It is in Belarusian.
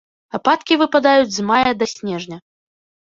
Ападкі выпадаюць з мая да снежня.